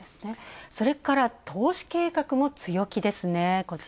それから、投資計画も強気ですね。